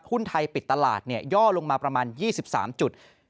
หุ้นไทยปิดตลาดย่อลงมาประมาณ๒๓จุด